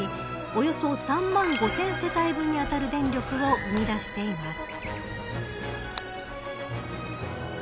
およそ３万５０００世帯分にあたる電力を生み出しています。